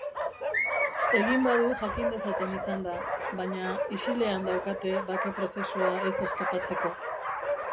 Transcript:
Egin badu jakin dezaten izan da, baina isilean daukate bake-prozesua ez oztopatzeko.